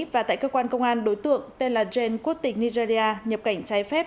và tại cơ quan công an đối tượng tên là jenn quốc tịch nigeria nhập cảnh trái phép